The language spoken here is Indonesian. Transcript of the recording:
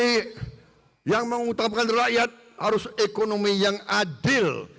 ekonomi yang mengutapkan rakyat harus ekonomi yang adil